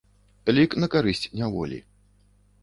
Лік на карысць няволі.